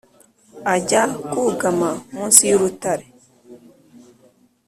ajya kwugama munsi y’urutare,